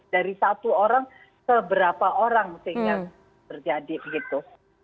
dari satu orang ke berapa orang sehingga terjadi begitu